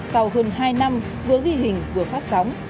sau hơn hai năm vừa ghi hình vừa phát sóng